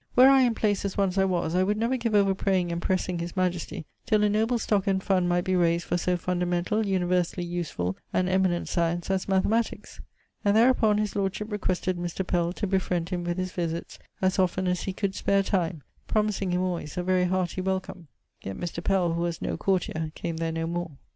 Were I in place as once I was, I would never give over praying and pressing his majesty till a noble stock and fund might be raised for so fundamentall, universally usefull, and eminent science as mathematicks.' And therupon his lordship requested Mr. Pell to befriend him with his visits as often as he could spare time, promising him always a very hearty welcome. Yet Mr. Pell who was no courtier came there no more.